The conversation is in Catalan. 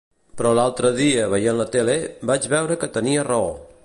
Però l'altre dia veient la tele vaig veure que tenim raó!